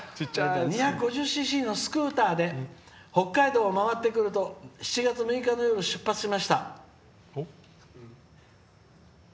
「２５０ｃｃのスクーターで北海道を回ってくると７月６日の夜、出発しました。